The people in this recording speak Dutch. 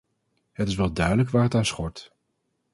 Het is wel duidelijk waar het aan schort.